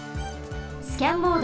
スキャンモード。